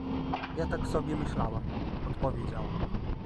— Ja tak sobie myślałam… — odpowiedziała.